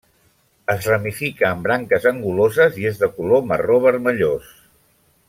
Es ramifica en branques anguloses i és de color marró vermellós.